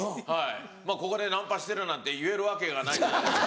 ここでナンパしてるなんて言えるわけがないじゃないですか。